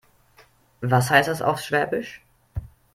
Was heißt das auf Schwäbisch?